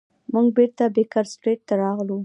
موږ بیرته بیکر سټریټ ته راغلو.